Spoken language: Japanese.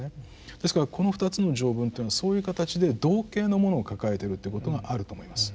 ですからこの２つの条文っていうのはそういう形で同形のものを抱えてるっていうことがあると思います。